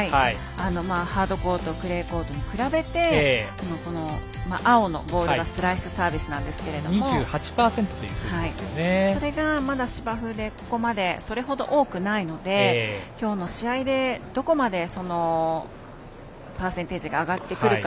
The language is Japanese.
ハードコートクレーコートに比べて青のボールがスライスサービスなんですけどもそれがまだ芝生でここまでそれほど多くないのできょうの試合でどこまで、そのパーセンテージが上がってくるか。